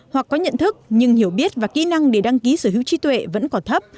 hoặc có nhận thức nhưng hiểu biết và kỹ năng để đăng ký sở hữu trí tuệ vẫn còn thấp